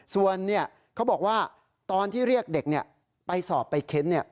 ส่วนเขาบอกว่าตอนที่เรียกเด็กไปสอบไปเค้น